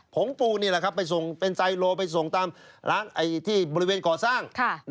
ผงปูนี่แหละครับไปส่งเป็นไซโลไปส่งตามร้านที่บริเวณก่อสร้าง